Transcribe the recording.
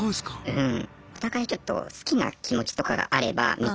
うん。